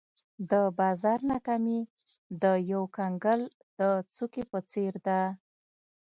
د بازار ناکامي د یو کنګل د څوکې په څېر ده.